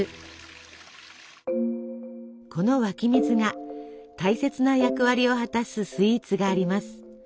この湧き水が大切な役割を果たすスイーツがあります。